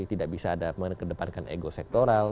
tidak bisa mengedepankan ego sektoral